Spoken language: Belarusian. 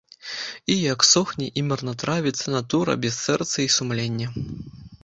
І як сохне і марнатравіцца натура без сэрца і сумлення.